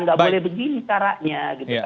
nggak boleh begini caranya